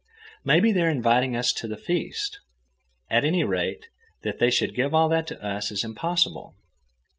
Maybe they are inviting us to the feast. At any rate, that they should give all that to us is impossible."